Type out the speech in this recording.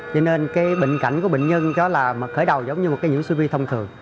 cho nên cái bình cảnh của bệnh nhân đó là khởi đầu giống như một cái nhiễu cv thông thường